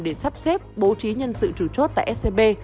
để sắp xếp bố trí nhân sự chủ chốt tại scb